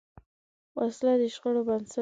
وسله د شخړو بنسټ ده